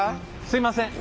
すいません。